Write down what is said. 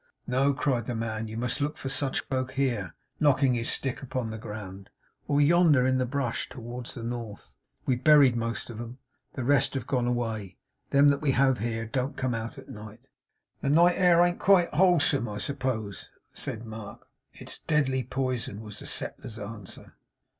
'No,' cried the man. 'You must look for such folk here,' knocking his stick upon the ground, 'or yonder in the bush, towards the north. We've buried most of 'em. The rest have gone away. Them that we have here, don't come out at night.' 'The night air ain't quite wholesome, I suppose?' said Mark. 'It's deadly poison,' was the settler's answer.